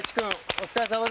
お疲れさまでした。